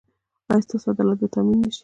ایا ستاسو عدالت به تامین نه شي؟